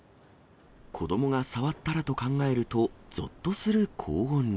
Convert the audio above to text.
子どもが触ったらと考えると、ぞっとする高温に。